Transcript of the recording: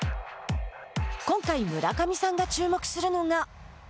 今回、村上さんが注目するのが。